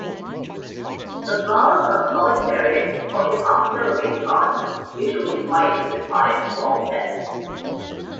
The flowers are solitary or in axillary cymes, usually white, with five small petals.